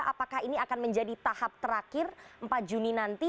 apakah ini akan menjadi tahap terakhir empat juni nanti